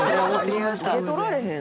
「受け取られへん。